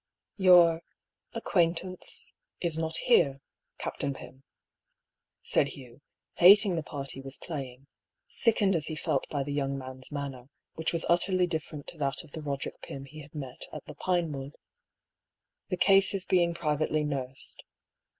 " Your — acquaintance — is not here, Captain Pym," said Hugh, hating the part he was playing — sickened as he felt by the young man's manner, which was utter ly different to that of the Roderick Pym he had met at the Pinewood. "The case is being privately nursed.